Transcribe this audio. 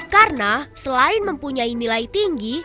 karena selain mempunyai nilai tinggi